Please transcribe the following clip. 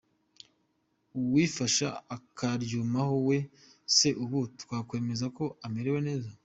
Uwifashe akaryumaho we se ubu twakwemeza ko amerewe neza?